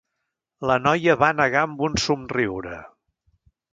La noia va negar amb un somriure.